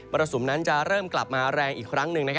รสุมนั้นจะเริ่มกลับมาแรงอีกครั้งหนึ่ง